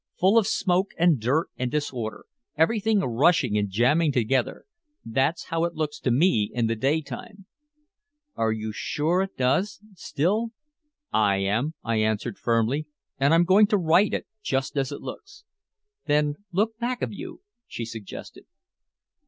"Full of smoke and dirt and disorder, everything rushing and jamming together. That's how it looks to me in the daytime!" "Are you sure it does still?" "I am," I answered firmly. "And I'm going to write it just as it looks." "Then look back of you," she suggested.